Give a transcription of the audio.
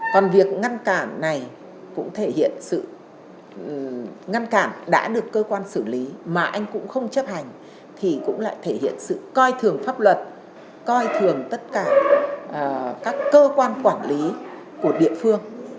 còn việc ngăn cản này cũng thể hiện sự ngăn cản đã được cơ quan xử lý mà anh cũng không chấp hành thì cũng lại thể hiện sự coi thường pháp luật coi thường tất cả các cơ quan quản lý của địa phương